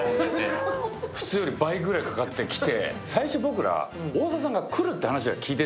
普通より倍ぐらいかかって来て。